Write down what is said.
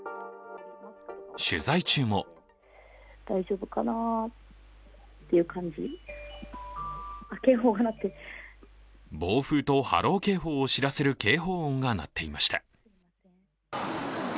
取材中も暴風と波浪警報を知らせる警報音が鳴っていました。